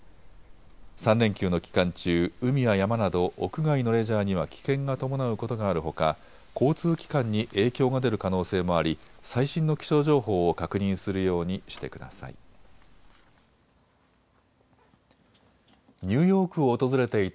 ３連休の期間中、海や山など屋外のレジャーには危険が伴うことがあるほか、交通機関に影響が出る可能性もあり最新の気象情報を確認するようにしてください。